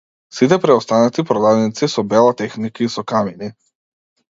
Сите преостанати продавници со бела техника и со камини.